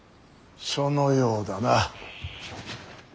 そのようだな。